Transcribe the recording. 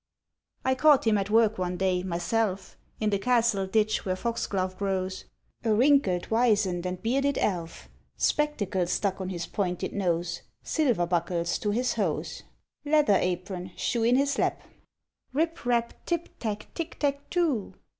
I caught him at work one day, myself, In the castle ditch where foxglove grows, A wrinkled, wizen'd, and bearded Elf, Spectacles stuck on his pointed nose, Silver buckles to his hose, Leather apron shoe in his lap 'Rip rap, tip tap, Tick tack too!